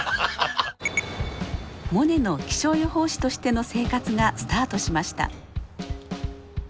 モネの気象予報士としての生活がスタートしました。